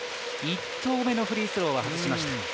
１投目のフリースローは外しました。